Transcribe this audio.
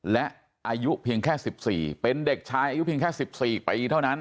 และอายุเพียงแค่๑๔เป็นเด็กชายอายุเพียงแค่๑๔ปีเท่านั้น